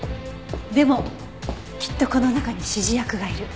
でもきっとこの中に指示役がいる。